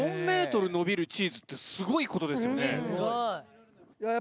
４ｍ伸びるチーズってすごいことですよね。